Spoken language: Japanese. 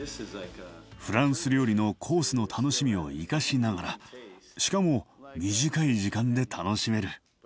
フランス料理のコースの楽しみを生かしながらしかも短い時間で楽しめる。